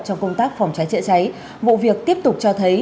trong công tác phòng trái trịa cháy vụ việc tiếp tục cho thấy